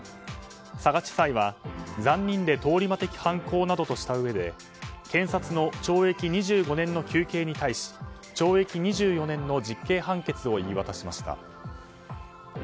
佐賀地裁は残忍で通り魔的犯行などとしたうえで検察の懲役２５年の求刑に対し懲役２４年の実刑判決を言い渡しました。